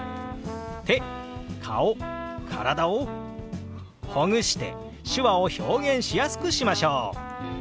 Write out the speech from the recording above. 手顔体をほぐして手話を表現しやすくしましょう！